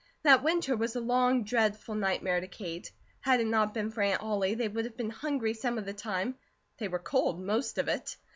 That winter was a long, dreadful nightmare to Kate. Had it not been for Aunt Ollie, they would have been hungry some of the time; they were cold most of it.